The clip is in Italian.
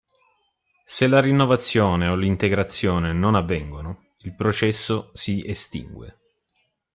Se la rinnovazione o l'integrazione non avvengono, il processo si estingue.